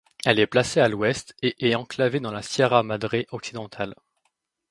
Elle est placée à l'ouest et est enclavée dans la Sierra Madre occidentale.